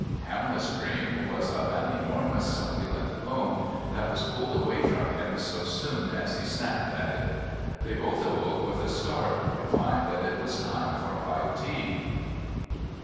Hamlet's dream was of an enormous succulent bone that was pulled away from him so soon as he snapped at it. They both awoke with a start to find that it was time for high tea.